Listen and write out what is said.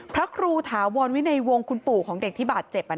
พระครูถาวรวินัยวงศ์คุณปู่ของเด็กที่บาดเจ็บ